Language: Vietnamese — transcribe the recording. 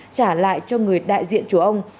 trả lại cho người đại diện chùa ông